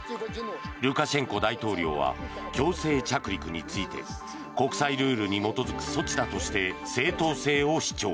ルカシェンコ大統領は強制着陸について国際ルールに基づく措置だとして正当性を主張。